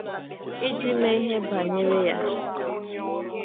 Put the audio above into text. iji mee ihe banyere ya.